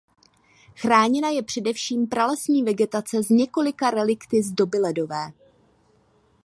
Chráněna je především pralesní vegetace s několika relikty z doby ledové.